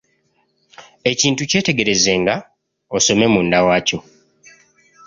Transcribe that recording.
Ekintu kyetegerezanga, osome munda waakyo.